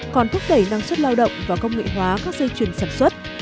còn thúc đẩy năng suất lao động và công nghệ hóa các dây chuyển sản xuất